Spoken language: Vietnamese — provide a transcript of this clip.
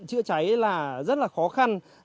chữa cháy là rất là khó khăn